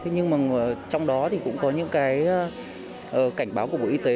nhưng trong đó cũng có những cảnh báo của bộ y tế